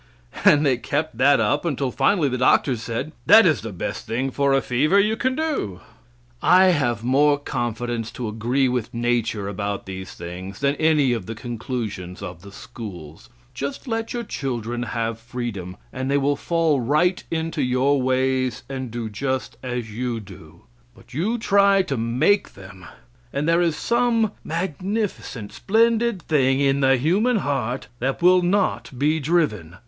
And they kept that up until finally the doctors said, "that is the best thing for a fever you can do." I have more confidence to agree with nature about these things than any of the conclusions of the schools. Just let your children have freedom, and they will fall right into your ways and do just as you do. But you try to make them, and there is some magnificent, splendid thing in the human heart that will not be driven.